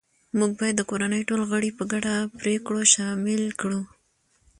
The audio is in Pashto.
موږ باید د کورنۍ ټول غړي په ګډو پریکړو شامل کړو